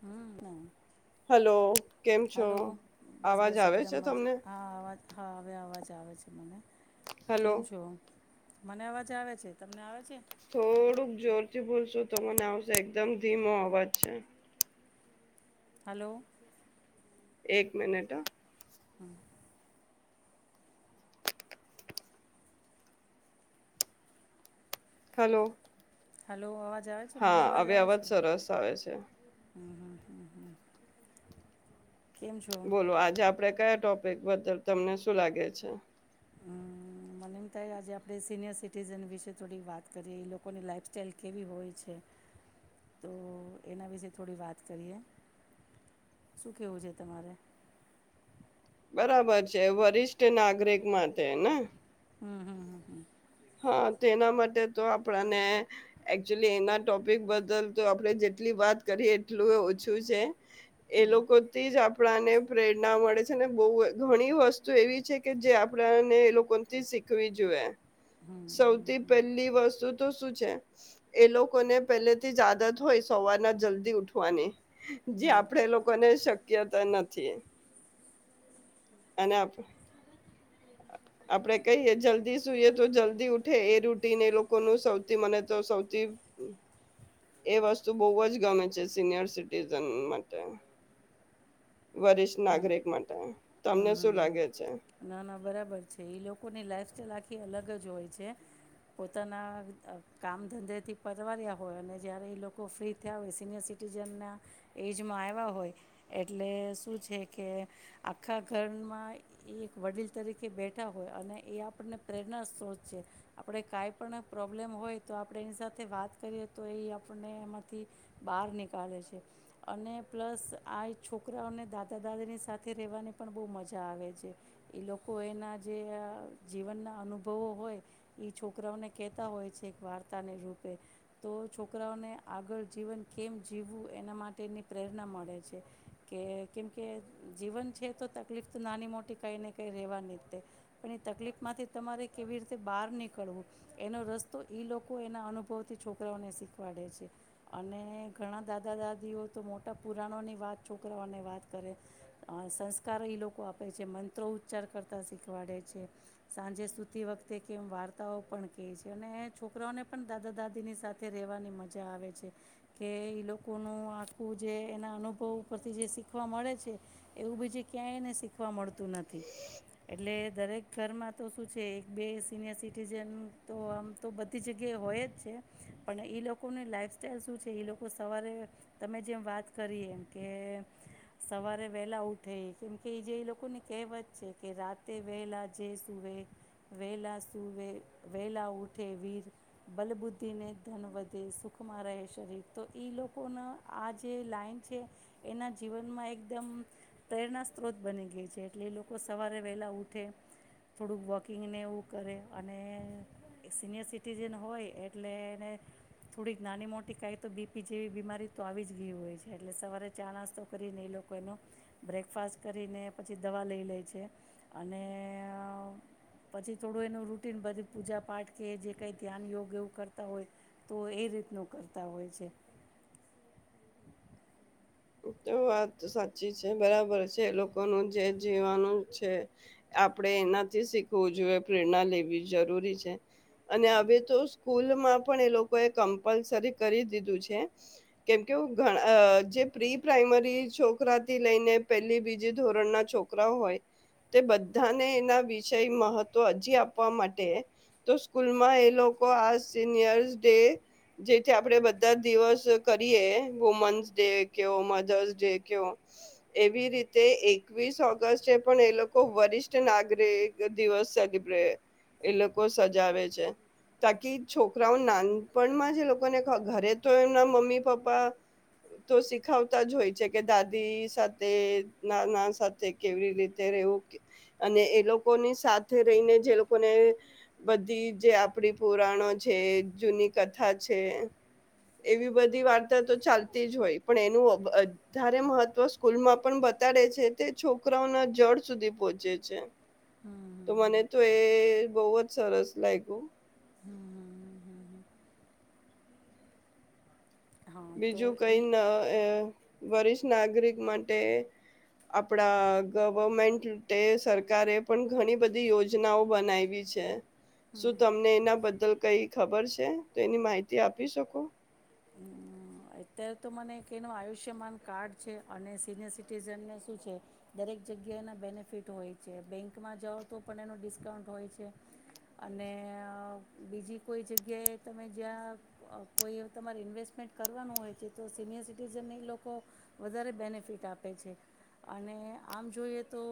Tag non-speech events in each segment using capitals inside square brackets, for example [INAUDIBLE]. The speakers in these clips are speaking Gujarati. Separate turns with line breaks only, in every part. હમ
હલો કેમ
હલો
છો
બસ
અવાજ
બસ
આવે
એકદમ
છે
મજા
તમને
હા અવાજ હવે અવાજ આવે છે મને
હલો
કેમ છો? મને અવાજે આવે છે. તમને આવે છે?
થોડુંક જોરથી બોલશું તો મને આવશે, એકદમ ધીમો અવાજ છે.
હલો!
એક મિનિટ
[INAUDIBLE]
હલો!
હલો આવાજ
હા! હવે અવાજ સરસ આવે છે.
[UNINTELLIGIBLE]
બોલો! આજે આપડે કયા ટોપ [UNINTELLIGIBLE] તમને શું લાગે છે?
હમમ મને એમ થાય છે આજે આપણે સીનિયર સિટીઝન વિશે થોડી વાત કરીએ. એ લોકોની લાઈફસ્ટાાઈલ કેવી હોય છે? તો એના વિશે થોડી વાત કરીએ. શું કેવું છે તમારે?
બરાબર છે, વરિષ્ઠ નાગરિક માટે ને?
હા હા
હા તેના માટે તો, આપણાને એકચુલી, એના ટોપિક બદલ તો આપણેે જેટલી વાત કરીએ, એટલું ઓછું છે. એ લોકો થી જ આપ આપણાને પ્રેરણા મળે છે. ને બહૂં ઘણી વસ્તુ એવી છે કે, જે આપણાને એ લોકોથી શીખવી જોઈએ. સૌથી પહેલી વસ્તુ તો શું છે? એ લોકોને પેલે થી જ આદત હોય સવારના જલ્દી ઉઠવાની. જે આપડે લોકોને શક [UNINTELLIGIBLE] નથી એના આપડે કહીએ, જલ્દી સુઈએ તો જલ્દી ઉઠે. એ રૂટીન એ લોકોનું સૌથી મને તો, સૌથી એ વસ્તુ બહજ ગમે છે. સિનિયર સિટીઝન માટે. વરિષ્ઠ નાગરિક માટે તમને શું લાગે છે
ના ના બરાબર છે, એ લોકોની લાઈફ સ્ટાઈલ આખી થી અલગ જ હોય છે. પોતાના કામ ધંધેથી પરવાર્યા હોય, અને જ્યારે એ લોકો ફ્રી થયા હોય, સિનિયર સિટીઝનના એજમાં આવ્યા હોય એટલે શું છે કે, આખા ઘરમાં એ એક વડીલ તરીકે બેઠા હોય, અને એ આપણને પ્રેરણા સ્ત્રોત છે. આપણે કાંઈ પણ પ્રોબ્લેમ હોય તો, આપણે એની સાથે વાત કરીએ તો, એ આપણને એમાંથી બહાર નીકાળે છે. અને પ્લસ આ એ છોકરાઓને દાદા, દાદીની સાથે રહેવાની પણ બહુ મજા આવે છે. એ લોકો એના જે જીવનના અનુભવો હોય, એ છોકરાઓને કહેતા હોય છે, એક વાર્તાને રૂપે તો, છોકરાઓને આગળ જીવન કેમ જીવવું એના માટેની પ્રેરણા મળે છે. કે કેમકે, જીવન છે તો તકલીફ તો નાની મોટી કાંઈ ને કંઈ રહેવા ની જ તે પણ, એ તકલીફમાંથી તમારે કેવી રીતે બહાર નીકળવું એનો રસ્તો એ લોકો એના અનુભવથી છોકરાઓને શીખવાડે છે. અને ઘણા દાદા દાદીઓ તો મોટા પુરાણોની વાત છોકરાઓને વાત કરે. સંસ્કારો એ લોકો આપે છે. મંત્રો ઉચ્ચાર કરતા શીખવાડે છે. સાંજે સુતી વખતે કેમ વાર્તાઓ પણ કહે છે અને છોકરાઓને પણ દાદા દાદીની સાથે રહેવાની મજા આવે છે. કે લોકોનું આખું જે એના અનુભવ ઉપરથી જે શીખ શીખવા મળે છે, એવું બીજું ક્યાંયને શીખવા મળતું નથી. એટલે દરેક ઘરમાં તો શું છે? એક બે સિનિયર સિટીઝન તો, આમ તો બધી જગ્યાએ હોય જ છે. પણ એ લોકોની લાઈફસ્ટાઈઇલ શું છે? એ લોકો સવારે તમે જેમ વાત કરી એમ કે સવારે વહેલા ઉઠે. કેમકે એ જે એ લોકોને કહેવત છે કે રાતે વહેલા જે સુૂવે, વહેલા સુવે, વહેલા ઉઠે વીર. બલબુદ્ધિને ધન વધે, સુખમાં રહે શરીર. તો એ લોકોના આ જે લાઈન છે એના જીવનમાં એકદમ પ્રેરણા સ્ત્રોત બની ગઈ છે. એટલે એ લોકો સવારે વહેલાં ઉઠે, થોડુંક વોકિંગ અને એવું કરે અને સિનિયર સિટીઝન હોય એટલે એને થોડીક, નાની મોટી કાંઈ તો બીપી જેવી બીમારી તો આવી જ ગઈ હોય છે. એટલે સવારે ચા નાસ્તો તો કરીને એ લોકો એનો બ્રેકફાસ્ટ કરીને પછી દવા લઈ લે છે. અને પછી થોડું એનું રૂટીન બધી પૂજા પાઠ કે જે કંઈ ધ્યાન, યોગ એવું કરતા હોય તો, એ રીતનું કરતાં હોય છે.
તો વાત સાચી છે. બરાબર છે, એ લોકોનું જે જીવાનું છે. આપણેે એનાથી શીખવું જોઈએ, પ્રેરણા લેવી જરૂરી છે. અને હવે તો સ્કૂલમાં પણ એ લોકોએ કમ્પલસરી કરી દીધું છે કેમકે [INAUDIBLE] જે પ્રી પ્રાઈમરી છોકરાથી લઈને, પેલી, બીજી ધોરણના છોકરાઓ હોય, તે બધાને એના વિષય મહત્વ હજી આપવા માટે તો સ્કૂલમાં એ લોકો આ સિનિયર્સ ડે જેથી, આપણે બધા દિવસ કરીએ વુમન્સ ડે કયોં મધર્સ ડે કયો એવી રીતે એકવીસ ઓગસ્ટે પણ એ લોકો વરિષ્ઠ નાગરિક દિવસ સેલિબ્રે એ લોકો સજાવે છે. તાકી છોકરાઓ નાનપણમાં જે લોકોને ઘરે તો એમના મમ્મી પપ્પા તો શીખાવતા જ હોય છે કે દાદી સાથે નાના સાથે કેવી રીતે રહેવું. અને એ લોકોની સાથે રહીને જે લોકોને બધી જે આપડી પુરાણો છે, જૂની કથા છે એવી બધી વાર્તા તો ચાલતી જ હોય. પણ, એનું વધારે મહત્વ સ્કૂલમાં પણ બતાડે છે, તે છોકરાઓના જડ સુધી પહોંચે છે. તો
હમ
મને તો એએ બોવજ સરસ લાયગું
હમ હા તો
બીજું
એ
કઈ નઅએ વરિષ્ઠ નાગરિક માટે આપડા ગવમેન્ટ સરકારે પણ, ઘણી બધી યોજનાઓ બનાવી છે. શું તમને એના બદલ કઈ ખબર છે? તેની માહિતી આપી શકો?
અત્યારે તો મને કનો આયુષ્યમાન કાર્ડ છે અને સિનિયર સિટીઝનને શું છે દરેક જગ્યાએ એના બેનિફિટ હોય છે બેંકમાં જાઓ તો પણ એનું ડિસ્કાઉન્ટ હોય છે અને બીજી કોઈ જગ્યાએ તમે જ્યાં કોઈ તમારે ઇન્વેસ્ટમેન્ટ કરો. કરવાનું હોય છે તો સિનિયર સિટીઝનને એ લોકો વધારે બેનિફિટ આપે છે અને આમ જોઈએ તો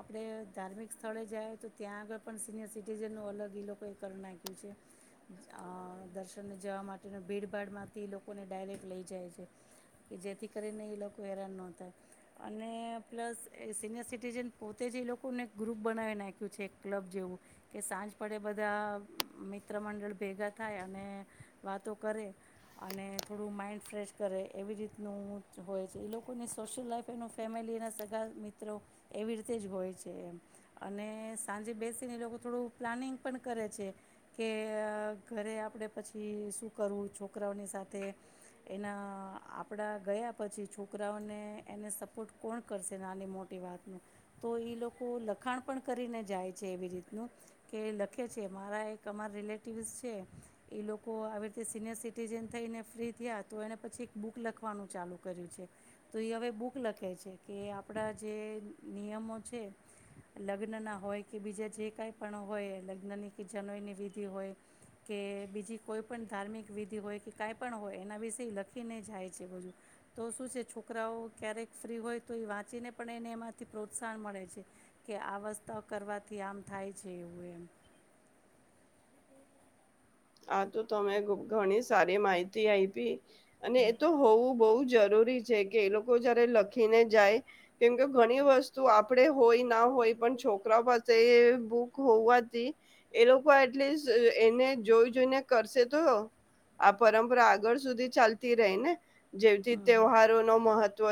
આપણે ધાર્મિક સ્થળે જાય તો ત્યાં આગળ પણ સિનિયર સિટીઝનનું અલગ એ લોકોએ કરી નાખ્યું છે દર્શનને જવા માટેનું ભીડભાડમાંથી લોકો. લોકોને ડાયરેક્ટ લઈ જાય છે કે જેથી કરીને એ લોકો હેરાન ન થાય અને પ્લસ એ સિનિયર સિટીઝન પોતે જ એ લોકોને ગ્રુપ બનાવી નાખ્યું છે ક્લબ જેવું કે સાંજ પડે બધા મિત્ર મંડળ ભેગા થાય અને વાતો કરે અને. થોડું માઇન્ડ ફ્રેશ કરે એવી રીતનું હોય છે એ લોકોની સોશિયલ લાઈઇફ એનું ફેમિલી એના સગા મિત્રો એવી રીતે જ હોય છે એમ અને સાંજે બેસીને એ લોકો થોડું પ્લાનિંગ પણ કરે છે કે ઘરે આપણે પછી શું કરવું છોકરાઓની સાથે. એના આપણા ગયા પછી છોકરાઓને એને સપોર્ટ કોણ કરશેને નાની મોટી વાતનું તો એ લોકો લખાણ પણ કરીને જાય છે એવી રીતનું કે લખે છે મારા એક અમાર રિલેટિવ્સ છે એ લોકો આવી રીતે સિનિયર સિટીઝન થઈને ફ્રી. થયા તો એને પછી એક બુક લખવાનું ચાલુ કર્યું છે તો એ હવે બુક લખે છે કે આપણા જે નિયમો છે લગ્નના હોય કે બીજા જે કાંઈ પણ હોય લગ્નની કે જનોઈની વિધિ હોય કે બીજી કોઈ પણ ધાર્મિક વિધિ હોય કે કાંઈ પણ હોય. એના વિશે લખીને જાય છે બધું તો શું છે છોકરાઓ ક્યારેક ફ્રી હોય તો એ વાંચીને પણ એને એમાંથી પ્રોત્સાહન મળે છે કે આ વસ્થા કરવાથી આમ થાય છે
આ તો તમે ઘણી સારી માહિતી આપી. અને એ તો હોવું બઉુ જ. જરૂરી છે કે એ લોકો જયારે લખીને જાય કેમકે ઘણી વસ્તુ આપણે હોય ના હોય પણ છોકરા પાસે બુક હોવાથી એ લોકો એટલીસ્ટ એને જોઈ. ને કરશે તો આ પરંપરા આગળ સુધી ચાલતી ર ને. જેથી
હમ
તહેવારો નો મહત્વ.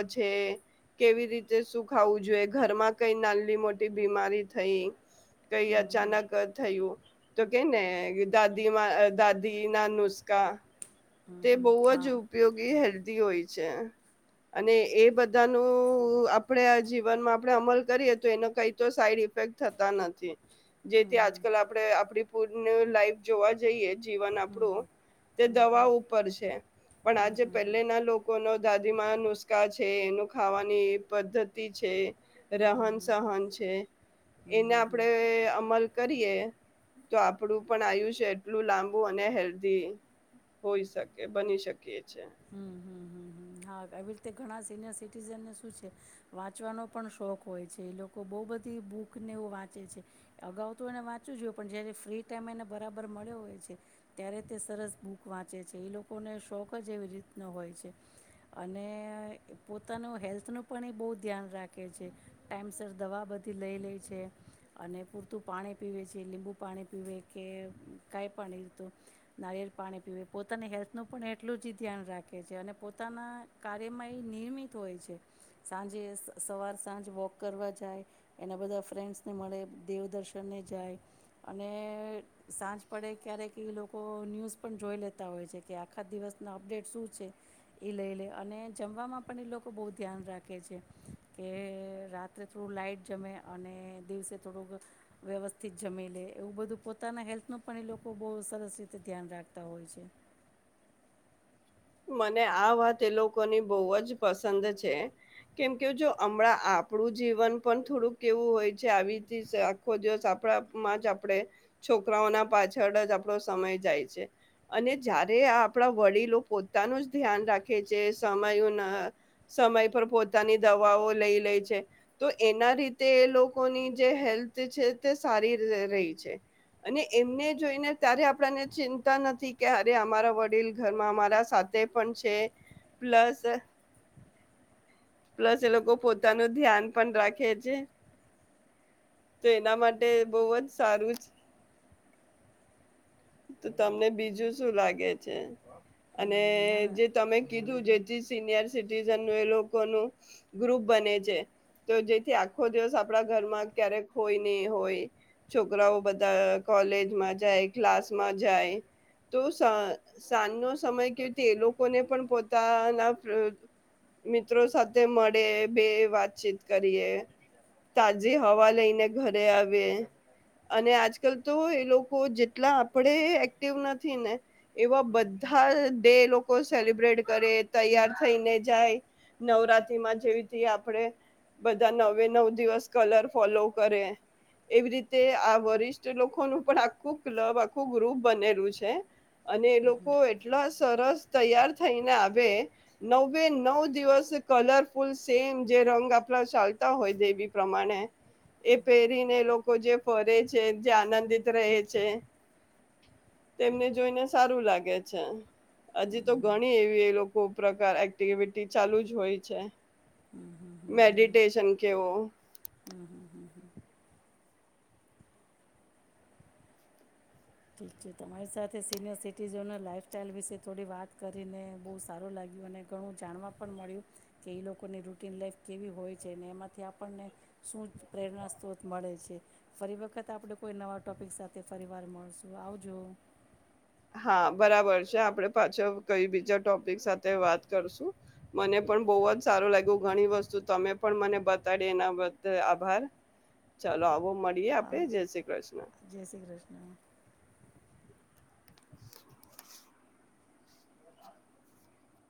કેવી રીતે સુ ખાવું જોઈએ ઘરમાં કઈ નાલી મોટી બીમારી થઈ. કઈ
હમ હમ
અચાનક થયું. તો કે ને દાદી. મા દાદી ના નુસ્કા.
હમ
તે
હમ
બહુ
હા
જ ઉપયોગી હે. હોય છે અને એ બધા ન આપડ જીવનમાં આપણે અમલ કરીએ તો એનો કઈ તો સાઈડ ઇફેક્ટ થતા નથી.
હમ
જેથી
હમ
આજકાલ આપડે આપડી. પૂર્ણ લાઈફ જોવા જઈએ. જીવન
હમ
આપડું
હમ
તે
હમ
દવાર. છે પણ
હમ હમ હમ
આજે પેલે
હમ
ના લોકો ન દાદીમાં નુસ્ખા. છે એનું ખાવાની પદ્ધતિ છે. રહન
હમ
સહન છે એને
હમ હમ
આપડે અમલ કરીએ. તો આપડું પણ આયુષ્ય એટલું લાંબુ અને હેલ્ધી હોય છે. કે બની શકીએ છે.
હમ હમ હમ હમ હા આવી રીતે ઘણા સિનિયર સિટીઝનને શું છે વાંચવાનો પણ શોખ હોય છે એ લોકો બહુ બધી બૂકને એવું વાંચે છે અગાઉ તો એને વાંચવું જોઈએ પણ જ્યારે ફ્રી ટાઈમ એને બરાબર મળ્યો હોય છે ત્યારે તે સરસ બૂક વાંચે છે એ લોકોને શોખ જ એવી રીતનો હોય છે. અને પોતાનું હેલ્થનું પણ એ બહુ ધ્યાન રાખે છે ટાઈમસર દવા બધી લઈ લે છે અને પૂરતું પાણી પીવે છે લીંબુ પાણી પીવે કે કાંઈ પાણી તો નારિયેળ પાણી પીવે પોતાની હેલ્થનું પણ એટલું જ ધ્યાન રાખે છે અને પોતાના. કાર્યમાં એ નિયર્મિત હોય છે સાંજે સવાર સાંજ વોક કરવા જાય એના બધા ફ્રેન્ડ્સને મળે દેવદર્શનને જાય અને સાંજ પડે ક્યારેક એ લોકો ન્યૂઝ પણ જોઈ લેતા હોય છે કે આખા દિવસના અપડેટ શું છે એ લઈ લે. અને જમવામાં પણ એ લોકો બહુ ધ્યાન રાખે છે કે રાત્રે થોડું લાઇટ જમે અને દિવસે થોડુંક વ્યવસ્થિત જમી લે એવું બધું પોતાના હેલ્થનું પણ એ લોકો બહુ સરસ રીતે ધ્યાન રાખતા હોય છે.
મને આ વાત એ લોકોની બહુ જ પસંદ છે કેમ કે જો હમણાં આપણું જીવન પણ થોડુંક કેવું હોય છે આવી આખો દિવસ આપણામાં જ આપણે છોકરાઓના પાછળ જ આપણો સમય જાય છે અને જય્યારે આપણા વડીલો પો. પોનું જ્યાન રાખે છે સમય સમય પર પોતાની દવાઓ લઈ લે છે તો એના રીતે એ લોકોની જે હેલ્થ છે તે સારી રહી છે અને એમને જોઈને ત્યારે આપણાને ચિંતા નથી કે અરે અમારા વડીલ ઘરમાં અમારા. પણ છે પ્લસ પ્લસ એ લોકો પોતાનું ધ્યાન પણ રાખે છે તો એના માટે બહ જ સારું તો તમને બીજું શું લાગે છે. અને
હમ ના ના
જે તમે કીધું જેથી સિનિયર સિટીઝન એ લોકોનું ગ્રુપ બને છે તો જેથી આખો દિવસ આપણા ઘરમાં ક્યારેક હોય નહી હોય છોકરાઓ બધા કોલેજમાં જાય ક્લાસમાં જાય તો સાંજનો સમય. એ લોકોને પણ પોતાના મિત્રો સાથે મળે બે વાતચીત કરીએ તાજી હવા લઈને ઘરે આવીએ અને આજકાલ તો એ લોકો જેટલા આપણે એક્ટિવ નથી ને એવા બધા. ડે લોકો સેલિબ્રેટ કરે તૈયાર થઈને જાય નવરાત્રીમાં જેવીથી આપડે બધા નવે નવ દિવસ કલર ફોલો કરે એવી રીતે આ વરિષ્ઠ લોકોનુંું પણ આખું ક્લબ આખું ગ્રુપ બનેલું છે. અને એ લોકો એટલા. સરસ તૈયાર થઈને આવે નવે નવ દિવસ કલરફુલ સેમ જે રંગ આપડા ચાલતા હોય દવી પ્રમાણે એ પહેરીને લોકો જે ફરે છે જે આનંદિત રહે છે તેમને જોઈને સારું લાગે છે. હજી તો
હમ
ઘણી એવી એ લોકો. કો પ્રકાર એક્ટિવિટી ચાલુ જ હોય છે.
હમ હમ હમ હમ હમ હમ
મેડિટેશન કેવુ.
હમ હમ હમ હમ ઠીક છે તમારી સાથે સિનિયર સિટીઝન લાઇફ સસ્ટાઈલ વિશે થોડી વાત કરીને બહુ સારું લાગ્યું. અને ઘણું જાણવા પણ મળ્યું કે એ લોકોની રૂટીન લાઈફ કેવી હોય છે ને એમાંથી આપણને શું પ્રેરણા સત્રોત મળે છે. ફરી વખત આપણે કોઈ નવા ટૉપિક સાથે ફરીવાર મળશું. આવજો.
હા બરાબર છે, આપડે પાછો કઈ બીજા ટોપિક સાથે વાત કરશું. મને પણ બહુ જ સારું લાગ્યું ઘણી વસ્તુ તમે પણ મને બતાડી એના બદલ આભાર ચાલો આવો. એ આપે
આવ
જય શ્રી કૃષ્ણ.
જય શ્રી કૃષ્ણ